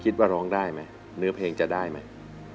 คิดว่าร้องได้ไหมเนื้อเพลงจะได้ไหม